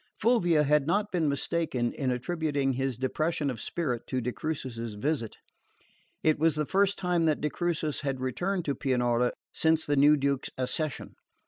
Fulvia had not been mistaken in attributing his depression of spirit to de Crucis's visit. It was the first time that de Crucis had returned to Pianura since the new Duke's accession.